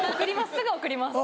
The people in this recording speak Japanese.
すぐ送ります。